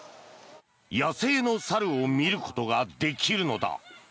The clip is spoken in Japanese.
野生の猿を見ることができるのだ。